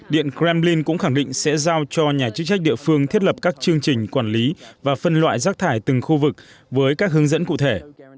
điện kremlin cũng khẳng định sẽ giao cho nhà chức trách địa phương thiết lập các chương trình quản lý và phân loại rác thải từng khu vực với các hướng dẫn cụ thể